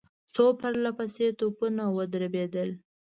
څو پرله پسې توپونه ودربېدل.